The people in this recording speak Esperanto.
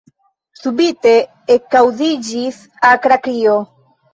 Subite ekaŭdiĝis akra krio.